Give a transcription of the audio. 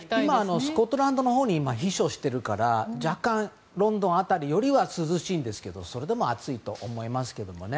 今スコットランドのほうで避暑してるから若干、ロンドン辺りよりは涼しいんですけどそれでも暑いと思いますけどね。